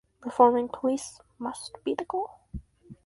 Reforming police must be the goal.